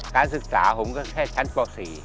การศึกษาผมก็แค่ชั้นต่อสี่